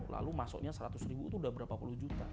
lalu masuknya rp seratus itu udah berapa puluh juta